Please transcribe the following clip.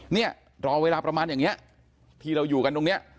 เนี่ยรอเวลาประมาณอย่างนี้ที่เราอยู่กันตรงนี้